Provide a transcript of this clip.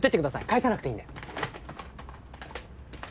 返さなくていいんで。